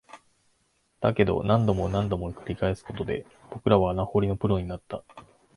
だけど、何度も何度も繰り返すことで、僕らは穴掘りのプロになった